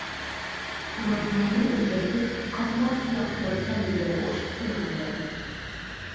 ئۇنىڭ رەڭگىنى ئۆزگەرتىپ، قاسماق سىياق بىر سەللىگە ئوخشىتىپ قويغانسەن.